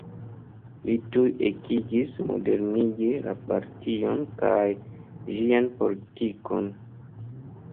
Li tuj ekigis modernigi la partion kaj ĝian politikon.